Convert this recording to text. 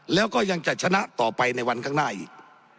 แล้วก็ยังจะชนะต่อไปในวันข้างหน้าอีก